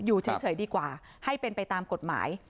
อยู่เฉยดีกว่าให้เป็นไปตามกฎหมาย